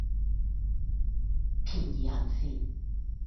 便宜行事